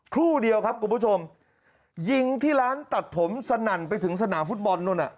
ครู่เดียวครับคุณผู้ชมยิงที่ร้านตัดผมสนั่นไปถึงสนามฟุตบอลนู่นน่ะ